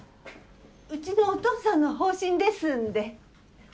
うちのお父さんの方針ですんで。